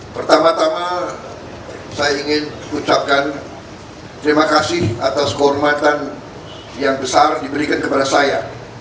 pertama tama saya ingin ucapkan terima kasih atas kehormatan yang besar diberikan kepada saya